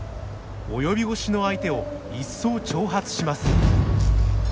及び腰の相手を一層挑発します。